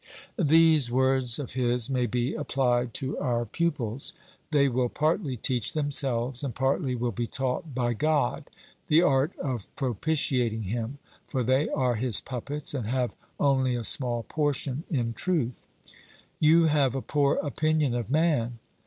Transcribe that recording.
These words of his may be applied to our pupils. They will partly teach themselves, and partly will be taught by God, the art of propitiating Him; for they are His puppets, and have only a small portion in truth. 'You have a poor opinion of man.'